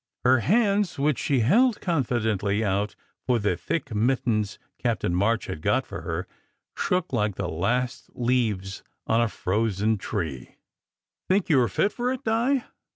Her hands, which she held confidingly out for the thick mit tens Captain March had got for her, shook like the last leaves on a frozen tree. "Think you re fit for it, Di?"